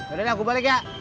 udah udah aku balik ya